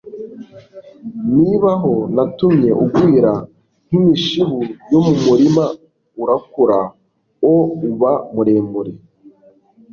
nti baho Natumye ugwira nk imishibu yo mu murima urakura o uba muremure